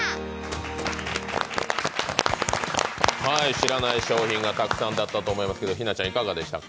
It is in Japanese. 知らない商品がたくさんだったと思いますけど、日奈ちゃんいかがでしたか？